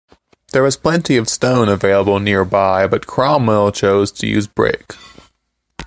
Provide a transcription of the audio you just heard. There was plenty of stone available nearby, but Cromwell chose to use brick.